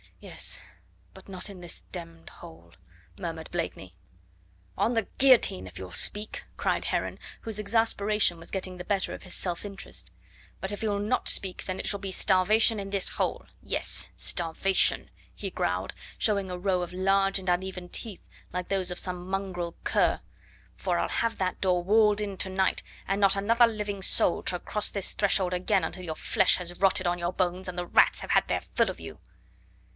"Yes, but not in this d d hole," murmured Blakeney. "On the guillotine if you'll speak," cried Heron, whose exasperation was getting the better of his self interest, "but if you'll not speak then it shall be starvation in this hole yes, starvation," he growled, showing a row of large and uneven teeth like those of some mongrel cur, "for I'll have that door walled in to night, and not another living soul shall cross this threshold again until your flesh has rotted on your bones and the rats have had their fill of you."